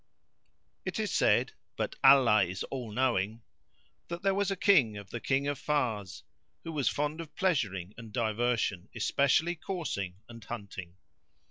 It is said (but Allah is All knowing![FN#86]) that there was a King of the Kings of Fars, who was fond of pleasuring and diversion, especially coursing end hunting.